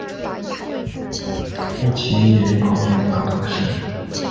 乌济伊人口变化图示